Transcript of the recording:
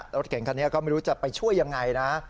รถเก่งคันนี้ก็ไม่รู้จะไปช่วยยังไงนะ